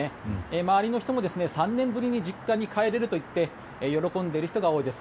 周りの人も３年ぶりに実家に帰れるといって喜んでいる人が多いです。